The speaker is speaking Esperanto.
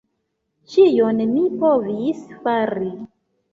Ĉion mi provis fari!